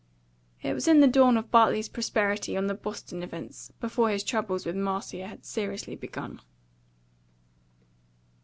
It was in the dawn of Bartley's prosperity on the Boston Events, before his troubles with Marcia had seriously begun.